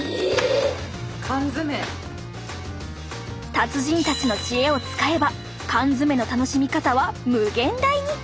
達人たちの知恵を使えば缶詰の楽しみ方は無限大に。